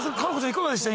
いかがでした？